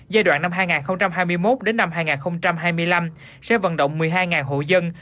giai đoạn năm hai nghìn hai mươi một đến năm hai nghìn hai mươi năm sẽ vận động một mươi hai hộ dân